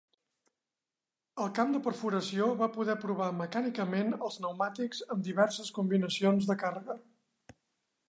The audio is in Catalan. El camp de perforació va poder provar mecànicament els pneumàtics amb diverses combinacions de càrrega.